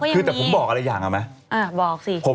คือแต่ผมบอกอะไรอย่างเอาไหมบอกสิ